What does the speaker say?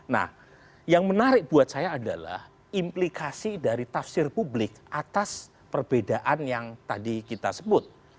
nah yang menarik buat saya adalah implikasi dari tafsir publik atas perbedaan yang tadi kita sebut